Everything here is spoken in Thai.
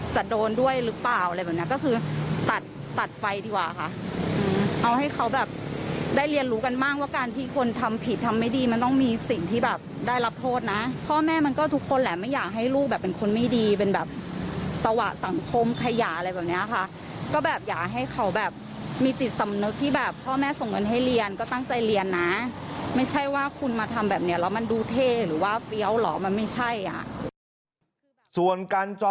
ส่วนการจองพลังเองก็ฝากถามในฐานะลูกผู้ชาย